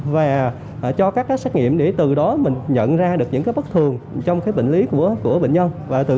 và cho các xét nghiệm để từ đó mình nhận ra được những bất thường trong bệnh lý của bệnh nhân